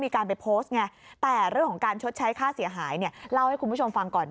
การชดใช้ค่าเสียหายเล่าให้คุณผู้ชมฟังก่อน